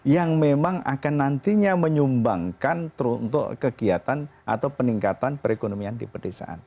yang memang akan nantinya menyumbangkan untuk kegiatan atau peningkatan perekonomian di pedesaan